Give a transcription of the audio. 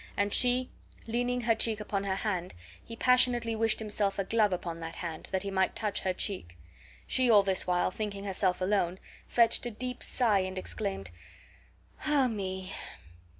And she leaning her cheek upon her hand, he passionately wished himself a glove upon that hand, that he might touch her cheek. She all this while thinking herself alone, fetched a deep sigh, and exclaimed: "Ah me!"